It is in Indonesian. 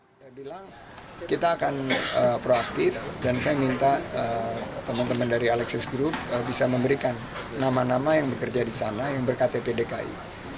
saya bilang kita akan proaktif dan saya minta teman teman dari alexis group bisa memberikan nama nama yang bekerja di sana yang berktp dki